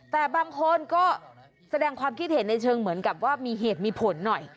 แต่บางคนก็แสดงความคิดเห็นในเชิงเหมือนกับว่ามีเหตุมีผลหน่อย